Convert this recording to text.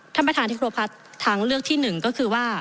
ทางประธานที่ครบและทางเลือกที่๑ก็คือว่า